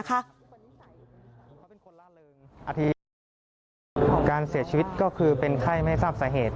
อาทิตย์การเสียชีวิตก็คือเป็นไข้ไม่ทราบสาเหตุ